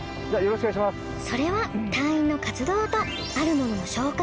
それは隊員の活動とあるモノの紹介。